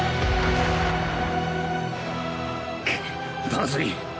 まずい。